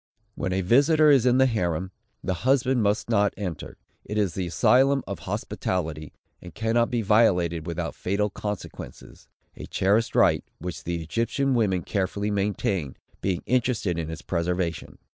When a visitor is in the harem, the husband must not enter. It is the asylum of hospitality, and cannot be violated without fatal consequences; a cherished right, which the Egyptian women carefully maintain, being interested in its preservation.